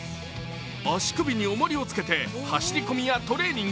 足首におもりを着けて走り込みやトレーニング。